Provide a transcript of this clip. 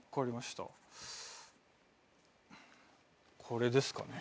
これですかね？